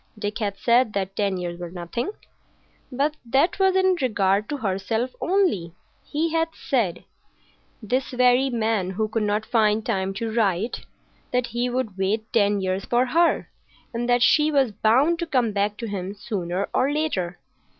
Dick had said that ten years were nothing,—but that was in regard to herself only. He had said—this very man who could not find time to write—that he would wait ten years for her, and that she was bound to come back to him sooner or later.